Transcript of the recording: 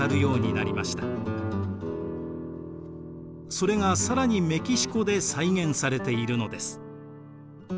それが更にメキシコで再現されているのです。